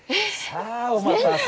さあお待たせ。